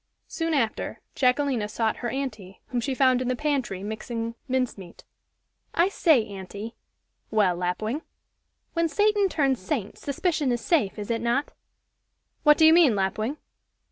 Soon after, Jacquelina sought her aunty, whom she found in the pantry, mixing mince meat. "I say, aunty " "Well, Lapwing?" "When Satan turns saint, suspicion is safe, is it not?" "What do you mean, Lapwing?"